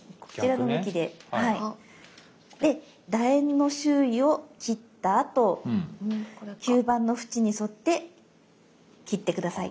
でだ円の周囲を切ったあと吸盤の縁に沿って切って下さい。